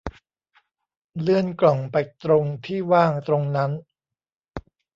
เลื่อนกล่องไปตรงที่ว่างตรงนั้น